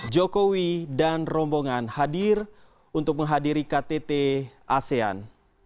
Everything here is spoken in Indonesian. jokowi dan rombongan hadir untuk menghadiri ktt asean